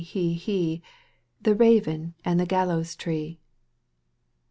HelHelHel The raren and the gallows tree.